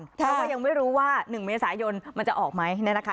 ใช่เขาก็ยังไม่รู้ว่าหนึ่งเมษายนมันจะออกไหมนี่นะคะ